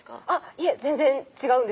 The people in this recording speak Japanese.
いえ全然違うんですよ